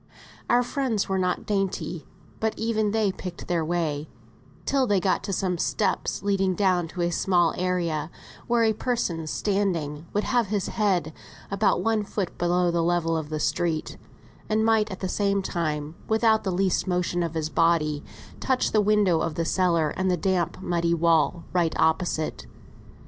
Our friends were not dainty, but even they picked their way till they got to some steps leading down into a small area, where a person standing would have his head about one foot below the level of the street, and might at the same time, without the least motion of his body, touch the window of the cellar and the damp muddy wall right opposite.